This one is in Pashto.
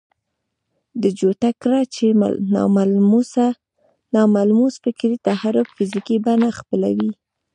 ده جوته کړه چې ناملموس فکري تحرک فزيکي بڼه خپلوي.